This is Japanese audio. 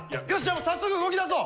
早速動きだそう！